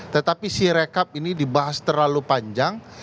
tetapi si rekap ini dibahas terlalu panjang